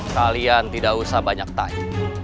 kalian tidak usah banyak tanya